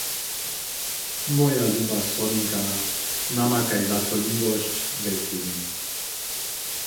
»Moja luba soninka, namakaj zaso lubosć we sebi!